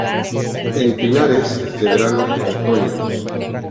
En pinares, de verano a otoño.